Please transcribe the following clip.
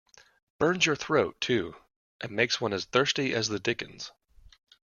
Burns your throat, too, and makes one as thirsty as the dickens.